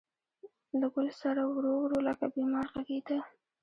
له ګل ســـــــره ورو، ورو لکه بیمار غـــــــږېده